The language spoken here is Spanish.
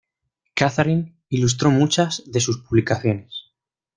Catharine ilustró muchas de sus publicaciones.